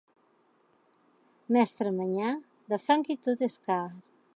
Mestre manyà, de franc i tot, és car.